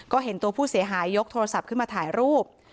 ก็เห็นตัวผู้เสียหายยกโทรศัพท์ขึ้นมาถ่ายรูป